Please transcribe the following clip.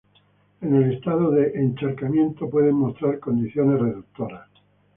En el estado de encharcamiento pueden mostrar condiciones reductoras.